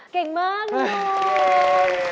เก่งมากนี่